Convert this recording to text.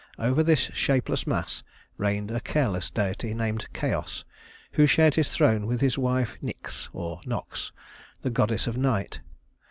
Over this shapeless mass reigned a careless deity named Chaos who shared his throne with his wife Nyx (or Nox) the goddess of Night.